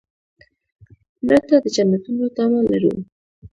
مړه ته د جنتونو تمه لرو